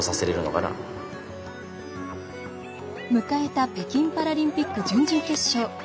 迎えた北京パラリンピック準々決勝。